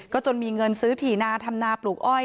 จนมีเงินซื้อถี่นาทำนาปลูกอ้อย